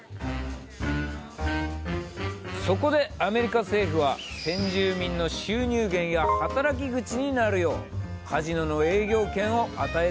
そこでアメリカ政府は先住民の収入源や働き口になるようカジノの営業権を与えたってわけ。